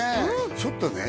ちょっとね